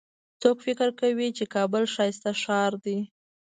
څوک فکر کوي چې کابل ښایسته ښار ده